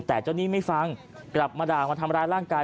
แต่เจ้าหนี้ไม่ฟังกลับมาด่ามาทำร้ายร่างกาย